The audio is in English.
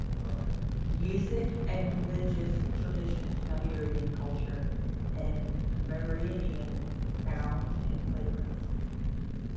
Music and religious traditions in Iberian culture and Amerindian sounds and flavors.